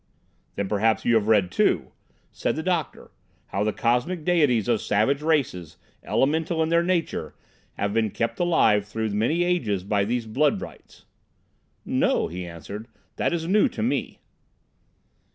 "Then perhaps you have read, too," said the doctor, "how the Cosmic Deities of savage races, elemental in their nature, have been kept alive through many ages by these blood rites?" "No," he answered; "that is new to me."